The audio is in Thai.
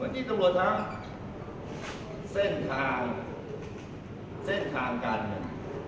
ที่ตำรวจทำเส้นทางเส้นทางการเงิน